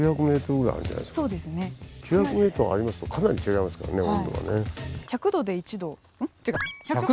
９００ｍありますとかなり違いますからね温度がね。